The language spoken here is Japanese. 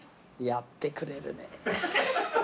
やってくれるね。